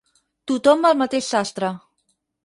Tothom va al mateix sastre.